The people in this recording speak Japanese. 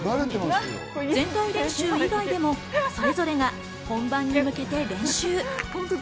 全体練習以外でもそれぞれが本番に向けて練習。